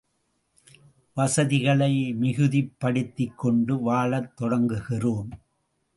வசதிகளை மிகுதிப்படுத்திக் கொண்டு வாழத் தொடங்குகிறோம்.